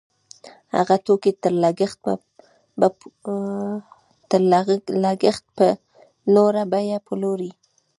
هغه توکي تر لګښت په لوړه بیه پلوري